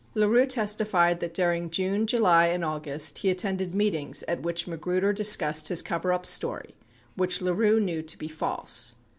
3 LaRue testified that during June, July, and August, he attended meetings at which Magruder discussed his coverup story, which La Rue knew to be false.